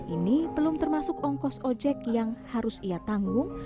ini belum termasuk ongkos ojek yang harus ia tanggung